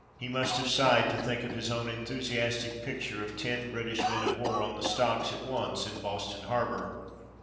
He must have sighed to think of his own enthusiastic picture of ten British men of war on the stocks at once in Boston Harbour (p.